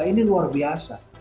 ini luar biasa